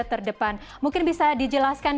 terdepan mungkin bisa dijelaskan